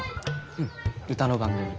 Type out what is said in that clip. うん歌の番組。